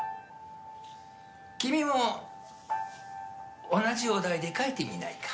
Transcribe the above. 君も同じお題で書いてみないか？